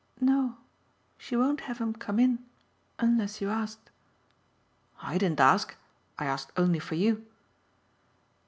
"No; she won't have come in unless you asked." "I didn't ask. I asked only for you."